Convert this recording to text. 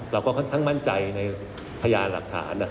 เราก็ค่อนข้างมั่นใจในพยานหลักฐาน